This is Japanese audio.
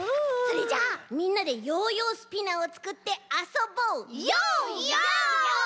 それじゃあみんなでヨーヨースピナーをつくってあそぼう。